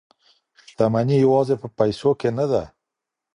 شتمني یوازې په پیسو کې نه ده.